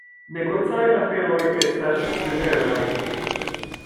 Negocaj aferoj estas severaj.